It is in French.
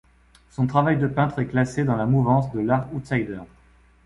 Son travail de peintre est classé dans la mouvance de l'Art outsider.